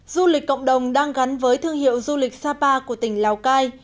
du lịch cộng đồng đang gắn với thương hiệu du lịch sapa của tỉnh lào cai